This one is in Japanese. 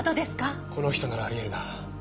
この人ならあり得るな。